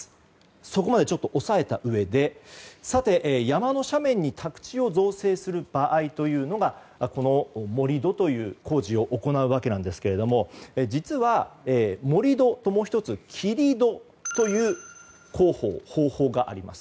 そこまで抑えたうえで山の斜面に宅地を造成する場合に盛り土という工事を行うわけですが実は、盛り土ともう１つ、切り土という方法があります。